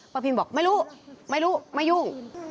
พิมบอกไม่รู้ไม่รู้ไม่ยุ่ง